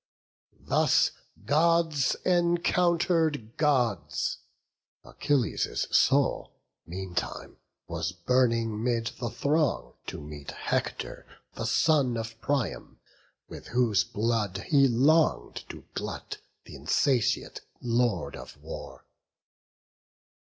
Thus Gods encounter'd Gods: Achilles' soul Meantime was burning 'mid the throng to meet Hector, the son of Priam; with whose blood He long'd to glut th' insatiate Lord of War.